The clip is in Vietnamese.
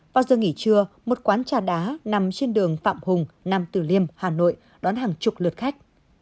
vào giờ nghỉ trưa một quán trà đá nằm trên đường phạm hùng nam tử liêm hà nội đón hàng chục lượt khách